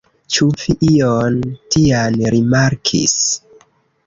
Ĉu vi ion tian rimarkis?